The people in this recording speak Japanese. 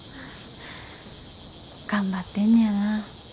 頑張ってんねやな。